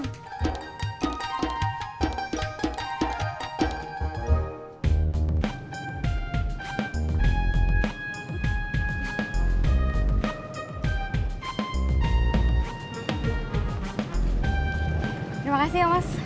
terima kasih mas